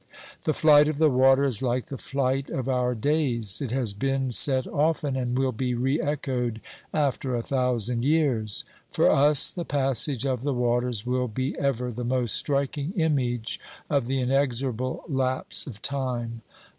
The flight of the water is h'ice the flight of our days. It has been said often, and will be re echoed after a thousand years : For us the passage of the waters will be ever the most striking image of the inexorable lapse of time.